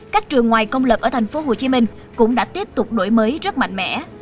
các trường ngoài công lập ở tp hcm cũng đã tiếp tục đổi mới rất mạnh mẽ